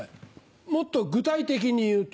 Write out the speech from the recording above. もっと具体的に言うと。